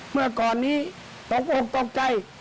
เมื่อก่อนนี้ตกอกตกใจ